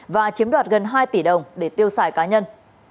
và chiếm đoạt gần hai tỷ đồng để tiêu xài cá nhân